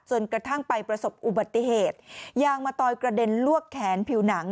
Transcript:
กระทั่งไปประสบอุบัติเหตุยางมะตอยกระเด็นลวกแขนผิวหนัง